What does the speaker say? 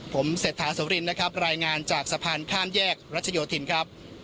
ผมเศรษฐาสุรินนะครับรายงานจากสะพานข้ามแยกรัชโยธินครับ